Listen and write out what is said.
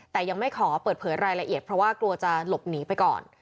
แต่ยังไม่ขอเปิดเผยรายละเอียดเพราะว่ากลัวจะหลบหนีไปก่อน